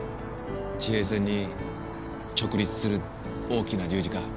地平線に直立する大きな十字架